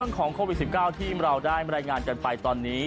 เรื่องของโควิด๑๙ที่เราได้รายงานกันไปตอนนี้